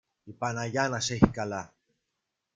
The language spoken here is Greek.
Η Παναγιά να σ' έχει καλά